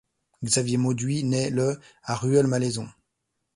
Xavier Mauduit naît le à Rueil-Malmaison.